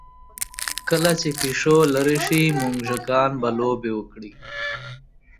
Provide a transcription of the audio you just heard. کله چې پیشو لرې شي، موږکان به لوبې وکړي.